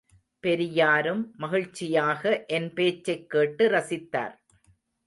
பெரியாரும் மகிழ்ச்சியாக என் பேச்சைக் கேட்டு ரசித்தார்.